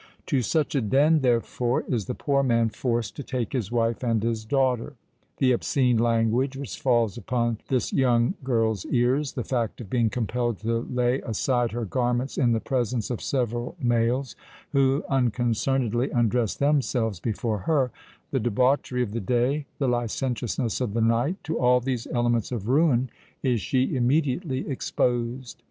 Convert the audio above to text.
To such a den, therefore, is the poor man forced to take his wife and his daughter. The obscene language which falls upon this young girl's ears—the fact of being compelled to lay aside her garments in the presence of several males, who unconcernedly undress themselves before her—the debauchery of the day—the licentiousness of the night,—to all these elements of ruin is she immediately exposed.